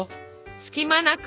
隙間なく。